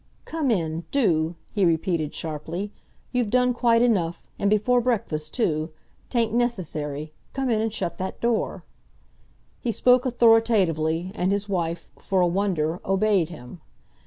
"Come in—do!" he repeated sharply. "You've done quite enough—and before breakfast, too. 'Tain't necessary. Come in and shut that door." He spoke authoritatively, and his wife, for a wonder, obeyed him.